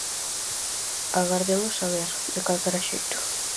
Agardemos a ver, de calquera xeito.